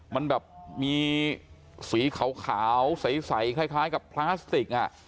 มันแบบมีสีขาวใสคล้ายกับพลาสติก